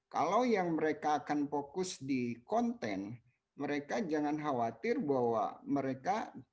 kalau yang mereka akan fokus di konten mereka jangan khawatir bahwa mereka